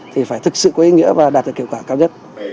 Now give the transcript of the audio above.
thì phải thực sự có ý nghĩa và đạt được hiệu quả cao nhất